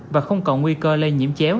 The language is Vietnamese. và không còn nguy cơ lây nhiễm chéo